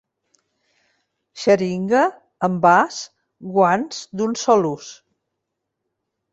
Xeringa, envàs, guants, d'un sol ús.